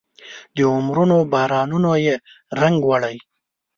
د عمرونو بارانونو یې رنګ وړی